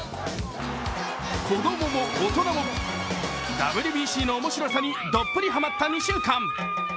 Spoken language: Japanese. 子供も大人も、ＷＢＣの面白さにどっぷりはまった２週間。